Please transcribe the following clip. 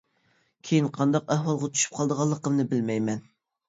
كېيىن قانداق ئەھۋالغا چۈشۈپ قالىدىغانلىقىمنى بىلمەيمەن.